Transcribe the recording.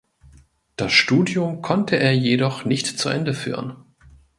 Das Studium konnte er jedoch nicht zu Ende führen.